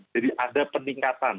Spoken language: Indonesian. jadi ada peningkatan